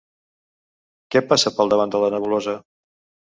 Què passa pel davant de la nebulosa?